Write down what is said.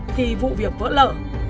khi vụ việc vỡ lỡ